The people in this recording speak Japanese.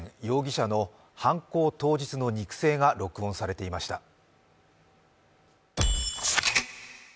容疑者の犯行当日の肉声が録音されていました。